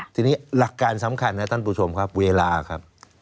ทีนี้หลักการสำคัญนะท่านผู้ชมครับเวลาครับ